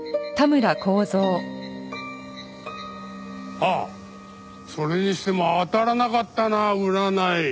あっそれにしても当たらなかったな占い。